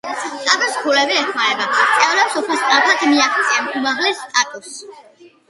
სტატუს ქულები ეხმარება წევრებს უფრო სწრაფად მიაღწიონ უმაღლეს სტატუსს.